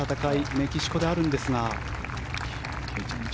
メキシコでありますが。